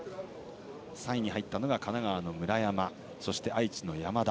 ３位に入ったのが神奈川の村山そして愛知の山田。